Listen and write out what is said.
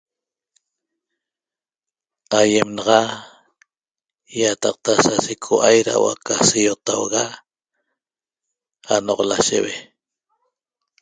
Aýem naxa ýataqta sa secoua'ai da huo'o aca seiotauga anoq lasheue